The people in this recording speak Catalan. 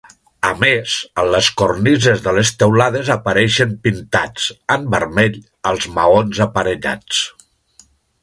A més, en les cornises de les teulades apareixen pintats, en vermell, els maons aparellats.